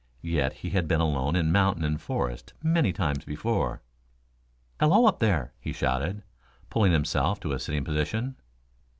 Yet he had been alone in mountain and forest many times before. "Hello, up there!" he shouted, pulling himself to a sitting position.